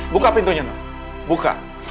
buka pintunya tidak